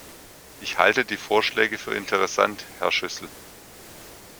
Ich halte die Vorschläge für interessant, Herr Schüssel.